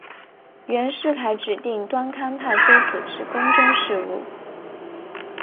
袁世凯指定端康太妃主持宫中事务。